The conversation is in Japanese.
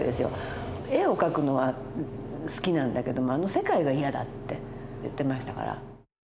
絵を描くのは好きなんだけどあの世界が嫌だって言ってましたから。